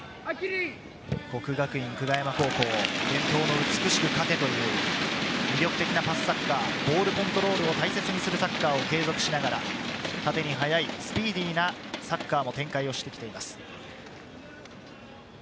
國學院久我山高校、伝統の「美しく勝て」という魅力的なパスサッカー、ボールコントロールを大切にするサッカーを継続しながら、縦に速いスピーディーなサッカーを展開してきています。